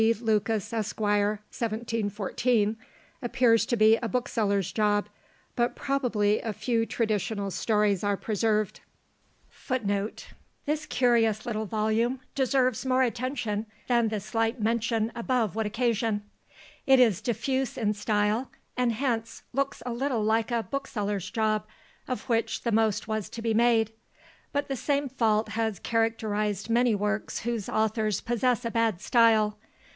Lucas, Esq., 1714," appears to be a bookseller's job; but probably a few traditional stories are preserved. FOOTNOTES: [Footnote 58: This curious little volume deserves more attention than the slight mention above would occasion. It is diffuse in style, and hence looks a little like a "bookseller's job," of which the most was to be made; but the same fault has characterised many works whose authors possess a bad style.